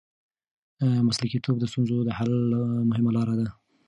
مسلکیتوب د ستونزو د حل مهمه لار ده.